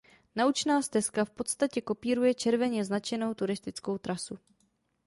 Naučná stezka v podstatě kopíruje červeně značenou turistickou trasu.